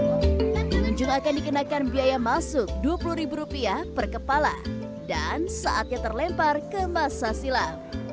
pengunjung akan dikenakan biaya masuk rp dua puluh ribu rupiah per kepala dan saatnya terlempar ke masa silam